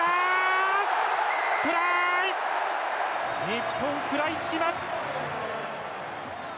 日本、食らいつきます。